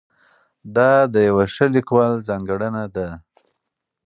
دا د یوه ښه لیکوال ځانګړنه ده.